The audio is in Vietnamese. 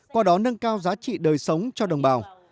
qua đó nâng cao giá trị đời sống cho đồng bào